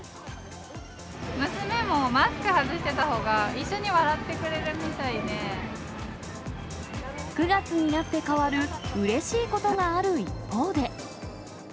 娘もマスク外してたほうが一９月になって変わるうれしいことがある一方で。